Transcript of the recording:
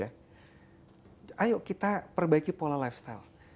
kalau kita transformasi kesehatan ke hulu ya ayo kita perbaiki pola lifestyle